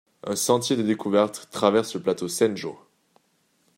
Un sentier de découverte traverse le plateau Senjō.